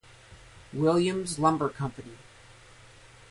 Williams Lumber Company.